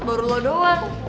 baru lo doang